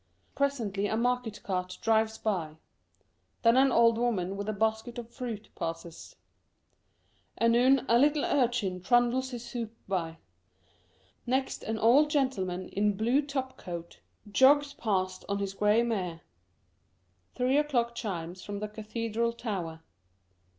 Presently a market cart drives by ; then an old woman with a basket of fruit passes ; anon, a little urchin trundles his hoop by ; next an old gentleman in blue top coat jogs C 17 Curiosities of Olden Times past on his gray mare. Three o'clock chimes from the cathedral tower.